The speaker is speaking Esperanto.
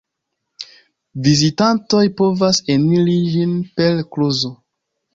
Vizitantoj povas eniri ĝin per kluzo.